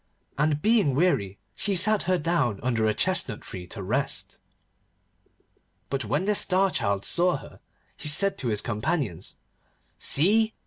And being weary she sat her down under a chestnut tree to rest. But when the Star Child saw her, he said to his companions, 'See!